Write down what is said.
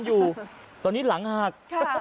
อยู่ตอนนี้หลังหัก